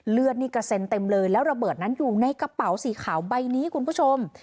เลือดนี่กระเซ็นเต็มเลยแล้วระเบิดนั้นอยู่ในกระเป๋าสีขาวใบนี้คุณผู้ชม